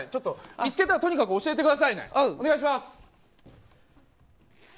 見つけたら教えてくださいね。